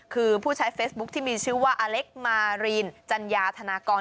คือผู้ใช้เฟซบุ๊คที่มีชื่อว่าอเล็กมารีนจัญญาธนากร